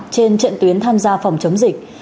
trên trận tuyến tham gia phòng chống dịch